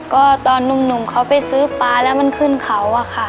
ก็ตอนหนุ่มเขาไปซื้อปลาแล้วมันขึ้นเขาอะค่ะ